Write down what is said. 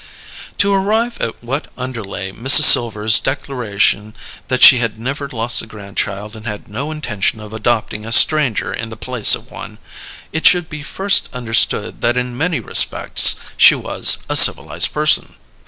To arrive at what underlay Mrs. Silver's declaration that she had never lost a grandchild and had no intention of adopting a stranger in the place of one, it should be first understood that in many respects she was a civilized person.